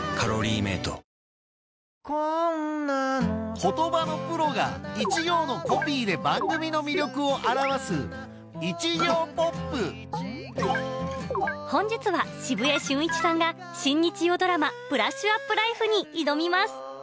言葉のプロが一行のコピーで番組の魅力を表す本日は澁江俊一さんが新日曜ドラマ『ブラッシュアップライフ』に挑みます。